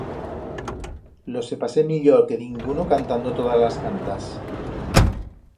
Lo se pasé millor que dinguno cantando todas las cantas.